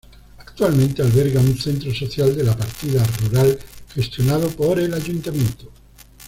Actualmente alberga un centro social de la partida rural gestionado por el ayuntamiento.